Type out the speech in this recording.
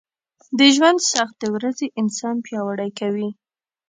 د ژونــد سختې ورځې انـسان پـیاوړی کوي